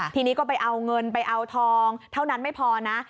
ทีนี้ก็ไปเอาเงินไปเอาทองเท่านั้นไม่พอนะ